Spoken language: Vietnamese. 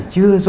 chưa đầy đủ